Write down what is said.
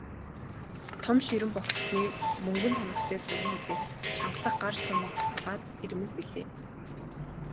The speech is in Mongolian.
Том ширэн богцны мөнгөн тоногтой суран үдээс чангалах гар сурмаг агаад эрмэг билээ.